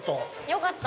◆よかった。